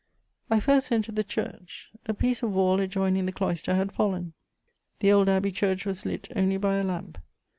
I first entered the church: a piece of wall adjoining the cloister had fallen; the old abbey church was lit only by a lamp.